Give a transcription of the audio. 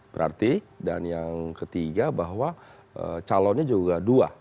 berarti dan yang ketiga bahwa calonnya juga dua